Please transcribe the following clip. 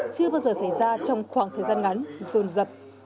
chưa bao giờ xảy ra trong khoảng thời gian ngắn rồn rập